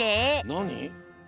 なに？